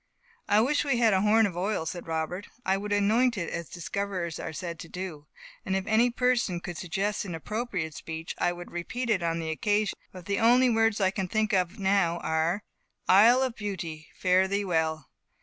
"I wish we had a horn of oil," said Robert, "I would anoint it, as discoverers are said to do. And if any person could suggest an appropriate speech I would repeat it on the occasion; but the only words I can think of now are, 'Isle of Beauty, fare thee well!